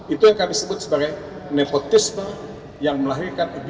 itu yang kami sebut sebagai nepotisme yang melahirkan